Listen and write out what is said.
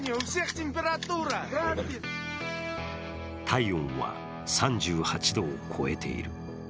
体温は３８度を超えている。